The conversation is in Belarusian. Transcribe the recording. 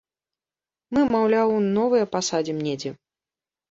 Мы, маўляў, новыя пасадзім недзе.